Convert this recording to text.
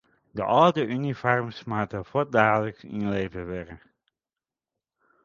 De âlde unifoarms moatte fuortdaliks ynlevere wurde.